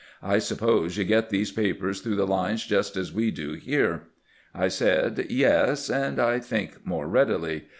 I suppose you get these papers through the lines just as we do here." I said :" Yes ; and I think more readily.